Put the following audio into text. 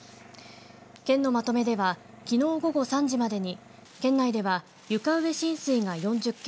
県のまとめではきのう午後３時までに県内では床上浸水が４０件